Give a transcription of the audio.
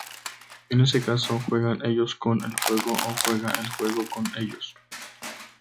En ese caso, ¿juegan ellos con el juego o juega el juego con ellos?